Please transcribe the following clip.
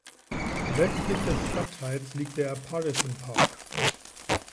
Westlich des Stadtteils liegt der Pardisan-Park.